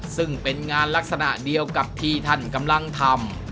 ซึ่งเป็นงานลักษณะเดียวกับที่ท่านกำลังทำ